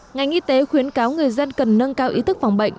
ngành y tế khuyến cáo người dân cần nâng cao ý thức phòng bệnh